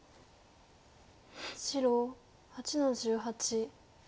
白８の十八。